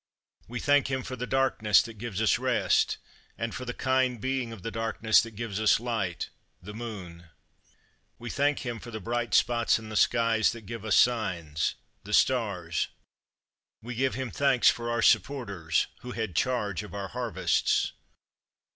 We thank Him for the darkness that gives us rest, and for the kind Being of the darkness that gives us light, the moon. We thank Him for the bright spots in the skies that give us signs, the stars. We give Him thanks for our supporters, who had charge of our harvests.